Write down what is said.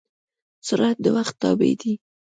سرعت د وخت تابع دی.